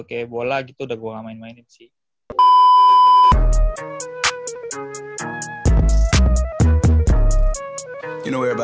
kayak bola gitu udah gue gak main mainin sih